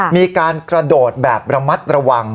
มีการกระโดดแบบระมัดระวัง